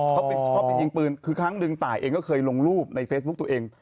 เขาชอบไปยิงปืนคือครั้งหนึ่งตายเองก็เคยลงรูปในเฟซบุ๊คตัวเอง